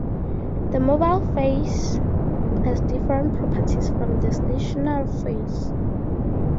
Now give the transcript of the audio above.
The mobile phase has different properties from the stationary phase.